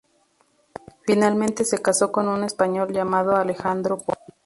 Finalmente se casó con un español llamado Alejandro Pons.